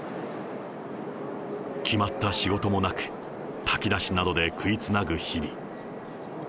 決まった仕事もなく、炊き出しなどで食いつなぐ日々。